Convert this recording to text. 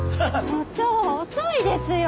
署長遅いですよ。